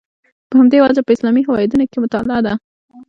په همدې وجه په اسلامي هېوادونو کې مطالعه ده.